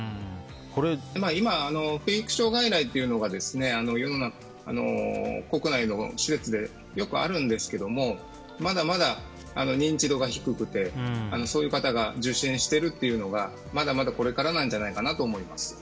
今、不育症外来というのが国内の施設によくあるんですけどもまだまだ認知度が低くてそういう方が受診しているというのはまだまだこれからなんじゃないかなと思います。